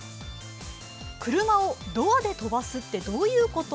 車をドアで飛ばすってどういうこと？